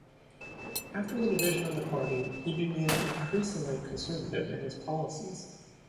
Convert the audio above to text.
After the division of the party, he became increasingly conservative in his policies.